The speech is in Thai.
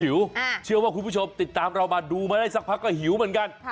เชื่อว่าคุณผู้ชมติดตามเรามาดูมาได้สักพักก็หิวเหมือนกัน